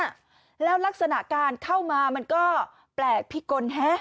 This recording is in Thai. แล้วลักษณะการเข้ามามันก็แปลกพิกลฮะ